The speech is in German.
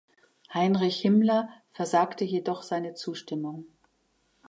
Heinrich Himmler versagte jedoch seine Zustimmung.